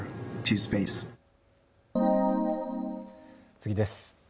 次です。